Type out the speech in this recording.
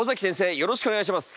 よろしくお願いします。